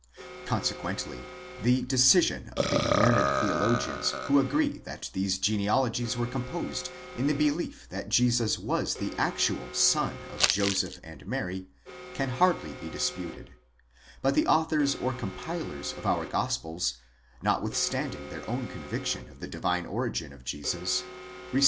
Consequently, the decision of the learned theologians who agree that these genealogies were composed in the belief that Jesus was the actual son of Joseph and Mary, can hardly be disputed ; but the authors or compilers of our Gospels, notwithstanding their own conviction of the divine origin of 1 Augustinus contra Faustum Manichaeum, L. 23.